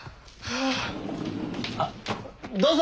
・あどうぞ！